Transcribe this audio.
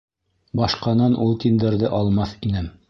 Башҡанан ул тиндәрҙе алмаҫ инем.